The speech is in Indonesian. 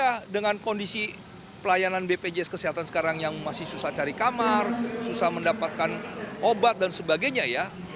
karena dengan kondisi pelayanan bpjs kesehatan sekarang yang masih susah cari kamar susah mendapatkan obat dan sebagainya ya